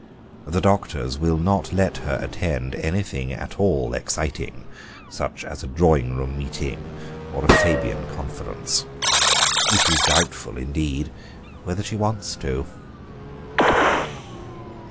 The doctors will not let her attend anything at all exciting, such as a drawing room meeting or a Fabian conference; it is doubtful, indeed, whether she wants to.